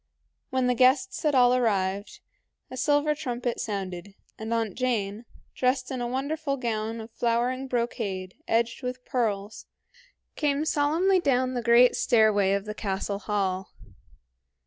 When the guests had all arrived, a silver trumpet sounded, and Aunt Jane, dressed in a wonderful gown of flowering brocade edged with pearls, came solemnly down the great stairway of the castle hall.